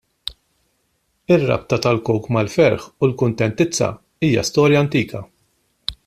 Ir-rabta tal-Coke mal-ferħ u l-kuntentizza hija storja antika.